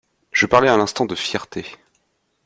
Je parlais à l’instant de fierté.